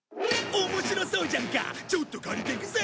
面白そうじゃんかちょっと借りてくぜ。